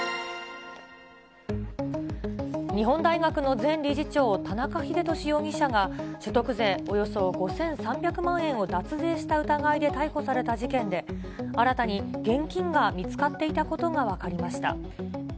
日本大学の前理事長、田中英壽容疑者が、所得税およそ５３００万円を脱税した疑いで逮捕された事件で、新たに現金が見つかっていたことが分かりました。